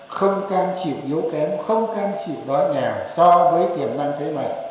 không cam chịu yếu kém không cam chịu đói nghèo so với tiềm năng thế mạnh